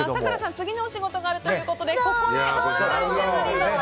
次のお仕事があるということでここまでとなります。